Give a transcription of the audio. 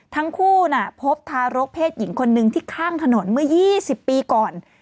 ทั้งคู่พบทารกเพศหญิงคนนึงที่ข้างถนนเมื่อ๒๐ปีก่อน